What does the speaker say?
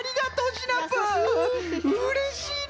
うれしいな！